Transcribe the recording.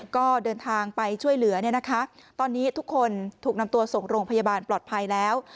ก็เดินทางไปช่วยเหลือเนี่ยนะคะตอนนี้ทุกคนถูกนำตัวส่งโรงพยาบาลปลอดภัยแล้ว